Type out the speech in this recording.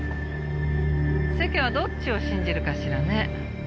世間はどっちを信じるかしらね？